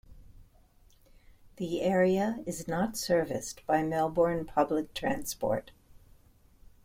The area is not serviced by Melbourne public transport.